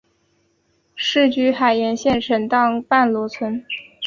世居海盐县沈荡半逻村。